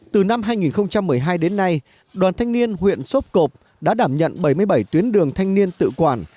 từ năm hai nghìn một mươi hai đến nay đoàn thanh niên huyện sốp cộp đã đảm nhận bảy mươi bảy tuyến đường thanh niên tự quản